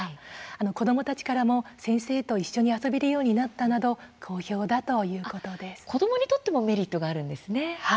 子どもたちからも先生と一緒に遊べるようになったなど子どもにとってもメリットがあるんですね。